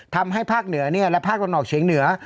ทำให้ภาคเหนือและภาคตะวันออกเฉียงเหนือ